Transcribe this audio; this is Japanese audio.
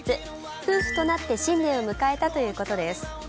夫婦となって新年を迎えたということです。